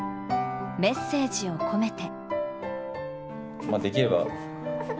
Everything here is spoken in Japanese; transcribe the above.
メッセージを込めて。